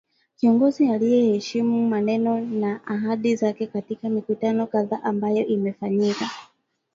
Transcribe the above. Kiongozi aliyeheshimu maneno na ahadi zake katika mikutano kadhaa ambayo imefanyika